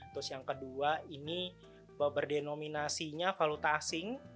terus yang kedua ini berdenominasinya valuta asing